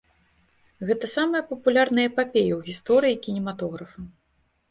Гэта самая папулярная эпапея ў гісторыі кінематографа.